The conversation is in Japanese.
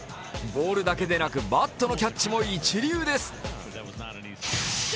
ボールだけでなく、バットのキャッチも一流です。